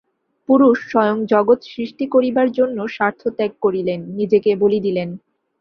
পুরুষ স্বয়ং জগৎ সৃষ্টি করিবার জন্য স্বার্থত্যাগ করিলেন, নিজেকে বলি দিলেন।